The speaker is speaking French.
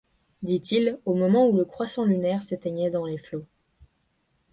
dit-il, au moment où le croissant lunaire s’éteignait dans les flots.